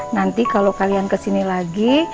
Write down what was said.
nanti kalau kalian kesini lagi